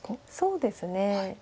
そうですね。